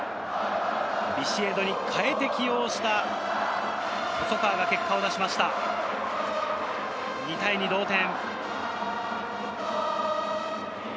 ビシエドに代えて起用した細川が結果を出しました、２対２の同点。